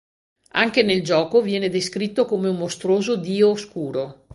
Anche nel gioco viene descritto come un mostruoso dio oscuro.